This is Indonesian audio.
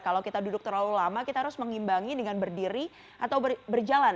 kalau kita duduk terlalu lama kita harus mengimbangi dengan berdiri atau berjalan